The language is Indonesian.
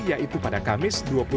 yaitu pada kamis